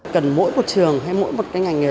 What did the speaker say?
cần mỗi một trường hay mỗi một ngành nghề